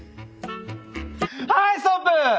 はいストップ！